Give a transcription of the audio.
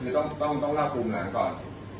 คือต้องเล่าคุมหลังก่อน